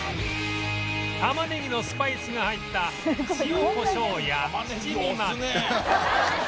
たまねぎのスパイスが入った塩こしょうや七味まで